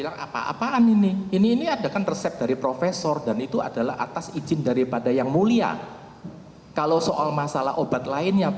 jika berdasarkan masalah obat lainnya